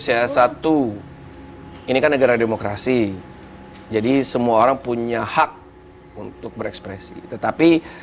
jadi semua orang punya hak untuk berekspresi tetapi negara demokrasi jadi semua orang punya hak untuk berekspresi tetapi